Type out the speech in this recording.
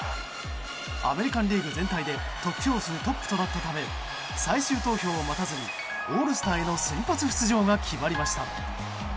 アメリカン・リーグ全体で得票数トップとなったため最終投票を待たずにオールスターへの先発出場が決まりました。